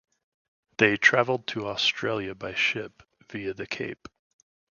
They travelled to Australia by ship, via the Cape.